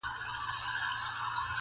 بس چي کله قاضي راسي د شپې کورته,